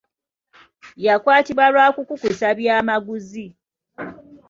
Yakwatibwa lwa kukukusa byamaguzi.